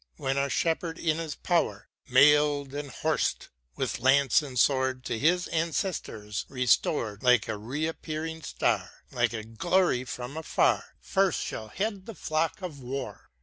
When our Shepherd in his power, Mail'd and horsed, with lance and sword To his ancestors restored Like a reappearing Star, Like a glory from afar, First shall head the flock of war